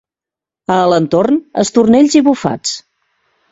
A Alentorn, estornells i bufats.